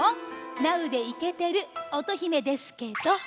ナウでイケてる乙姫ですけど。